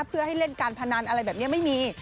เพื่อให้เล่นการพนันอะไรแบบนี้ไม่มี